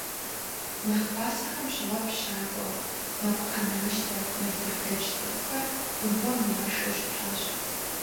Нэхъ пасэхэм щыгъуэ пщӀакӀуэ, мэкъуӀэнащтэ, нартыхудэч цӀыхухэр губгъуэм яшэу щытащ.